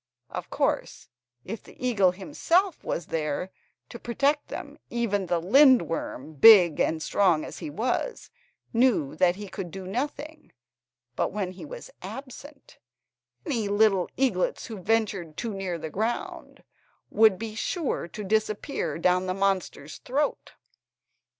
Of course, if the eagle himself was there to protect them even the lindworm, big and strong as he was, knew that he could do nothing; but when he was absent, any little eaglets who ventured too near the ground would be sure to disappear down the monster's throat.